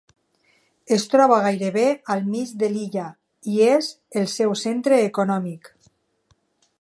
Es troba gairebé al mig de l'illa i és el seu centre econòmic.